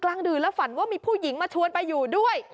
ดื่นแล้วฝันว่ามีผู้หญิงมาชวนไปอยู่ด้วย